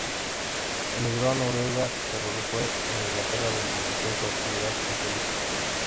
Emigró a Noruega, pero fue en Inglaterra donde inició su actividad futbolística.